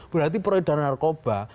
berarti peredaran narkoba